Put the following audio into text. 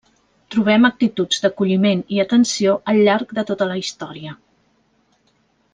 Trobem actituds d’acolliment i atenció al llarg de tota la història.